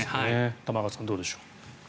玉川さんどうでしょう。